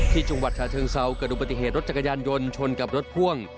ที่จังหวัดชาเชิงเซาเกิดอุบัติเหตุรถจักรยานยนต์ชนกับรถพ่วง